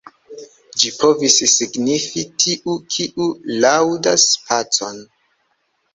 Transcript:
Ĝi povis signifi: "tiu, kiu laŭdas pacon".